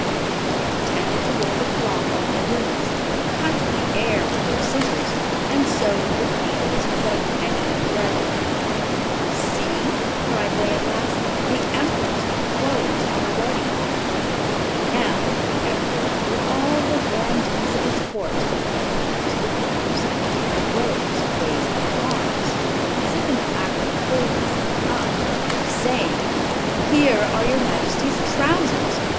They pretended to roll the cloth off the looms; cut the air with their scissors; and sewed with needles without any thread in them. "See!" cried they, at last. "The Emperor's new clothes are ready!" And now the Emperor, with all the grandees of his court, came to the weavers; and the rogues raised their arms, as if in the act of holding something up, saying, "Here are your Majesty's trousers!